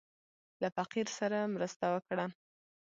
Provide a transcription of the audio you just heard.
له فقير سره مرسته وکړه.